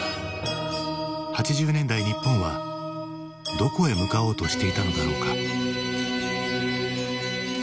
８０年代日本はどこへ向かおうとしていたのだろうか？